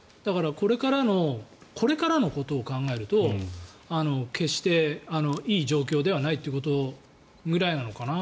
だからこれからのことを考えると決して、いい状況ではないということぐらいなのかな。